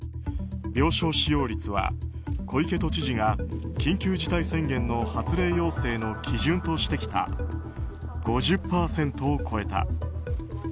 病床使用率は、小池都知事が緊急事態宣言の発令要請の基準としてきた５０％を超えた。